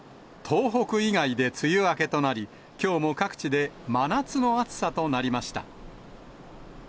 東北以外で梅雨明けとなり、きょうも各地で真夏の暑さとなりました。